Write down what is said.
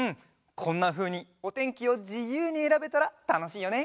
こんなふうにおてんきをじゆうにえらべたらたのしいよね！